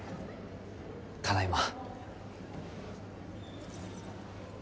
ただいま。